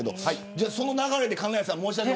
その流れで、金谷さん。